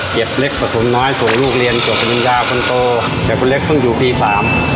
เล็กผสมน้อยส่งลูกเรียนจบปริญญาคนโตแต่คนเล็กเพิ่งอยู่ปีสาม